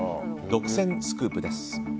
独占スクープです。